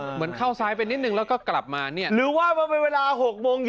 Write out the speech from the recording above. เหมือนเข้าซ้ายไปนิดนึงแล้วก็กลับมาเนี่ยหรือว่าเวลา๖โมง